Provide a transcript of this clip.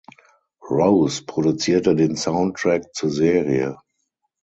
Rose produzierte den Soundtrack zur Serie.